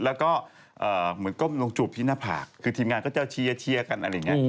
แล้วก็เหมือนก้มลงจูบที่หน้าผากคือทีมงานก็จะเชียร์กันอะไรอย่างนี้